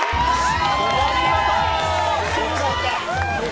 お見事！